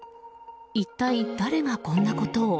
一体誰がこんなことを。